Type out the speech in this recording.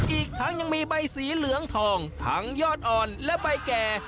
อีกทั้งยังมีใบสีเหลืองทองทั้งยอดอ่อนและใบแก่